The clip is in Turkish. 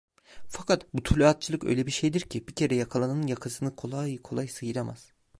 Fakat bu tuluatçılık öyle bir şeydir ki, bir kere yakalanan yakasını kolay kolay sıyıramaz…